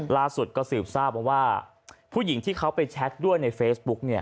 ล่าสุดก็สืบทราบมาว่าผู้หญิงที่เขาไปแชทด้วยในเฟซบุ๊กเนี่ย